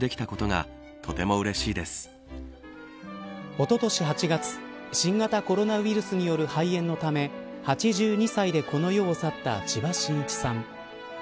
おととし８月新型コロナウイルスによる肺炎のため８２歳でこの世を去った千葉真一さん。